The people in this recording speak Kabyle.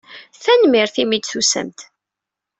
Tanemmirt imi ay d-tusamt.